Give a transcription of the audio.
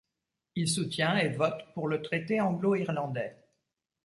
Il soutient et vote pour le Traité anglo-irlandais.